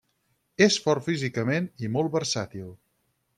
És fort físicament i molt versàtil.